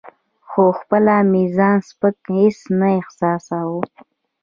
خو خپله مې ځان سپک هیڅ نه احساساوه.